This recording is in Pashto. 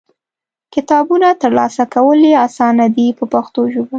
کتابونه ترلاسه کول یې اسانه دي په پښتو ژبه.